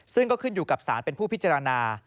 ซึ่งก็ขึ้นอยู่กับสารเป็นผู้พิจารณา